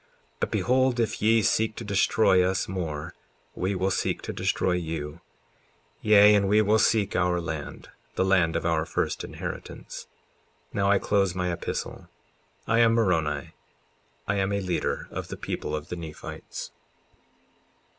But behold, if ye seek to destroy us more we will seek to destroy you; yea, and we will seek our land, the land of our first inheritance. 54:14 Now I close my epistle. I am Moroni; I am a leader of the people of the Nephites.